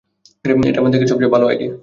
এটা আমার দেখা সবচেয়ে বাজে আইডিয়া।